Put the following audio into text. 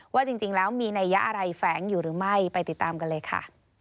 ว่าจริงแล้วมีนัยยะอะไรแฝงอยู่หรือไม่ไปติดตามกันเลยค่ะ